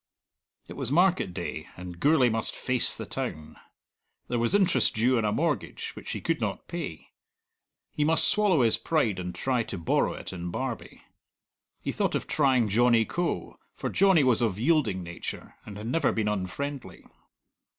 It was market day, and Gourlay must face the town. There was interest due on a mortgage which he could not pay; he must swallow his pride and try to borrow it in Barbie. He thought of trying Johnny Coe, for Johnny was of yielding nature, and had never been unfriendly.